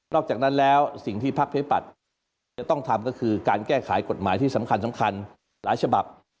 นอกจากนั้นแล้วสิ่งที่ภาคประชาชนให้ปัดจะต้องทำก็คือการแก้ไขกฎหมายที่สำคัญสำคัญหลายฉบับ